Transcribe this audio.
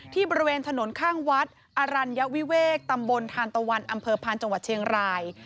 บริเวณถนนข้างวัดอรัญวิเวกตำบลทานตะวันอำเภอพานจังหวัดเชียงราย